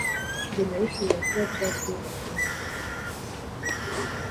mbona bishobora kuba byaryoha pe